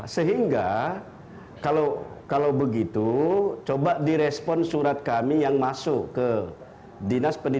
sehingga kalau begitu coba direspon surat kami yang masuk ke kpu provinsi sumatera utara